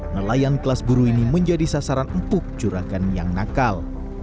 nelayan kelas buru ini menjadi sasaran empuk juragan yang nakal